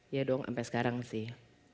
ya dong sampai sekarang sih